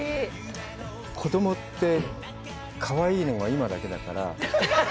子供って、かわいいのは今だけだから。